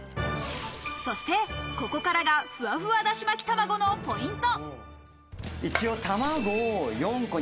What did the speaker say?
そしてここからが、ふわふわだしまき玉子のポイント。